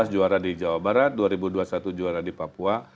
dua belas juara di jawa barat dua ribu dua puluh satu juara di papua